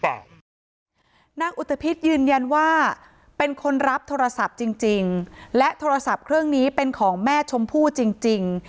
แต่นางอุตภิษยืนยันว่าเป็นคนรับโทรศัพท์จริงและโทรศัพท์เครื่องนี้เป็นของแม่ชมพู่จริง